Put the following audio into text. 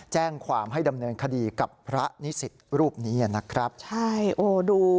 แจ้งความให้ดำเนินคดีกับพระนิสิตรูปนี้นะครับใช่โอ้ดู